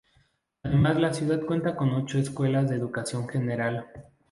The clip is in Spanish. Además la ciudad cuenta con ocho escuelas de educación general.